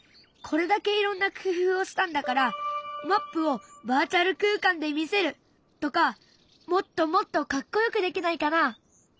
これだけいろんな工夫をしたんだからマップをバーチャル空間で見せるとかもっともっとかっこよくできないかな？